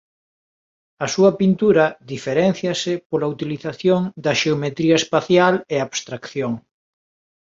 A súa pintura diferénciase pola utilización da xeometría espacial e abstracción.